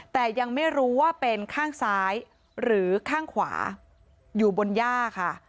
แต่ยังไม่รู้ว่าเป็นข้างซ้ายหรือข้างขวาอยู่บนย่าค่ะ